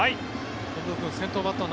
近藤君、先頭バッター